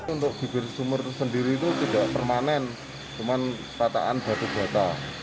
untuk bibir sumur itu sendiri itu tidak permanen cuman pataan batu bata